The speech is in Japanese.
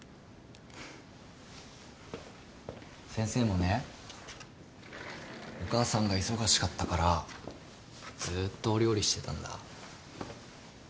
先生もねお母さんが忙しかったからずっとお料理してたんだ。